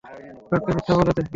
ওকে মিথ্যা বলে দে।